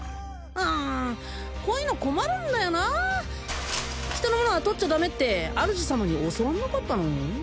うんこういうの困るんだよなヒトのものはとっちゃダメって主様に教わんなかったの？